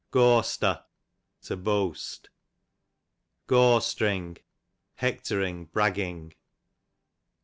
Gawster, to boast. Gawstring, hectoring, bragging.